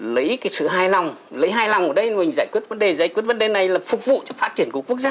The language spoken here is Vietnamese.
lấy cái sự hài lòng lấy hài lòng ở đây mình giải quyết vấn đề giải quyết vấn đề này là phục vụ cho phát triển của quốc gia